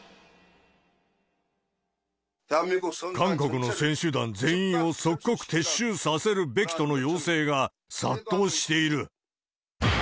韓国の選手団全員を即刻撤収させるべきとの要請が殺到している。